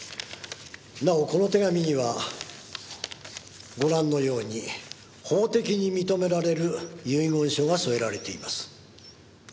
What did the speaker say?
なおこの手紙にはご覧のように法的に認められる遺言書が添えられています。